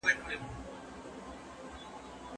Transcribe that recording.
په پوهې سره خپل حقونه ترلاسه کړئ.